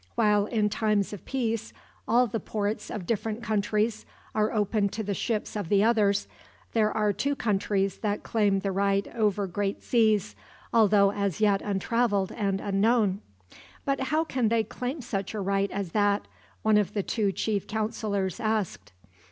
While in times of peace all the ports of different countries are open to the ships of the others, there are two countries that claim the right over great seas, although as yet untraveled and unknown." "But how can they claim such a right as that?" one of the two chief counselors asked.